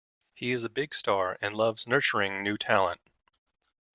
He is a big star and loves nurturing new talent.